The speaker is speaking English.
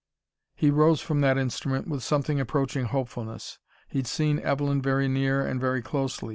He rose from that instrument with something approaching hopefulness. He'd seen Evelyn very near and very closely.